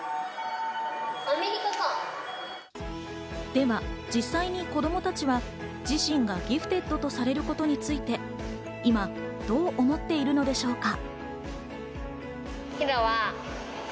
では実際に子供たちは、自身がギフテッドとされることについて、今どう思っているのでしょうか。